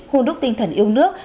hùn đúc tinh thần yêu nước